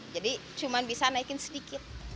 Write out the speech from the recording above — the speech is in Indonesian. cuma bisa naikin sedikit